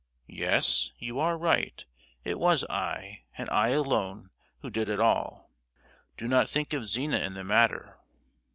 Yes, you are right. It was I, and I alone, who did it all. Do not think of Zina in the matter.